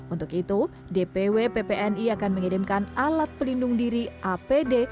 untuk itu dpw ppni akan mengirimkan alat pelindung diri apd